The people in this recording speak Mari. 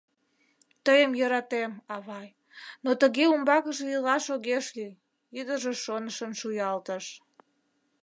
— Тыйым йӧратем, авай, но тыге умбакыже илаш огеш лий, — ӱдыржӧ шонышын шуялтыш.